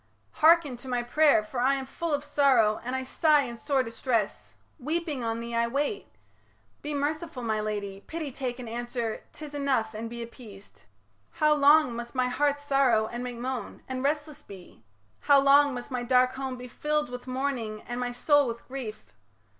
hearken to my pray'r, For I am full of sorrow and I sigh In sore distress; weeping, on thee I wait. Be merciful, my lady, pity take And answer, "'Tis enough and be appeased ". How long must my heart sorrow and make moan And restless be? How long must my dark home Be filled with mourning and my soul with grief?